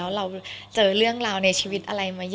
เราเจอเรื่องราวในชีวิตอะไรมาเยอะ